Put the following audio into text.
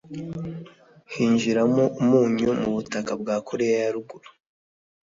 hinjiramo umunyu mu butaka bwakoreya yaruguru